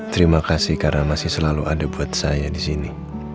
terima kasih karena masih selalu ada buat saya di sini